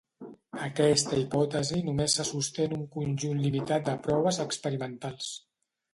Aquesta hipòtesi només se sosté en un conjunt limitat de proves experimentals.